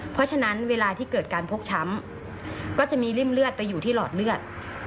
เพราะฉะนั้นเวลาที่เกิดการพกช้ำก็จะมีริ่มเลือดไปอยู่ที่หลอดเลือด